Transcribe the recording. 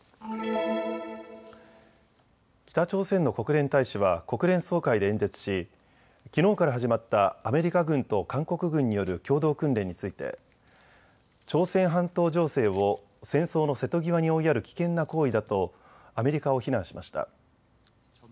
北朝鮮の国連大使は国連総会で演説しきのうから始まったアメリカ軍と韓国軍による共同訓練について朝鮮半島情勢を戦争の瀬戸際に追いやる危険な行為だとアメリカを非難しました。